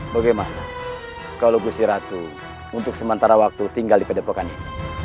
bagaimana kalau gusiratu untuk sementara waktu tinggal di kedepokannya